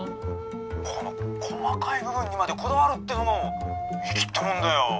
「この細かい部分にまでこだわるってのも粋ってもんだよ」。